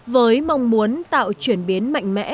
với mong muốn tạo chuyển biến mạnh mẽ